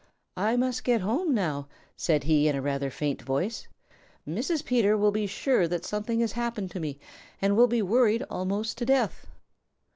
"I must get home now," said he in a rather faint voice. "Mrs. Peter will be sure that something has happened to me and will be worried almost to death."